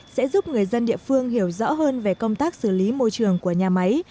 sẽ giúp người dân địa phương hiểu rõ hơn về công tác xử lý môi trường của nhà máy